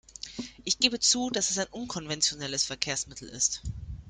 Ich gebe zu, dass es ein unkonventionelles Verkehrsmittel ist.